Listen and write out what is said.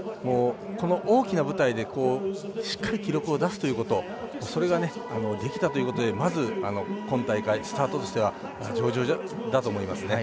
この大きな舞台でしっかり記録を出すということそれがねできたということでまず今大会スタートとしては上々だと思いますね。